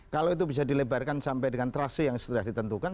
kalau itu bisa dilebarkan sampai dengan trase yang sudah ditentukan